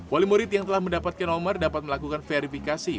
wali murid yang telah mendapatkan nomor dapat melakukan verifikasi